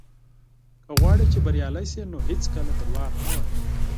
که غواړې چې بريالی شې، نو هېڅکله دروغ مه وايه.